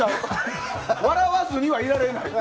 笑わずにはいられない。